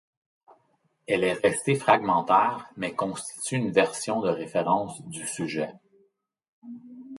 Elle est restée fragmentaire, mais constitue une version de référence du sujet.